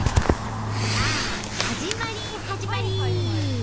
さあ始まり始まり。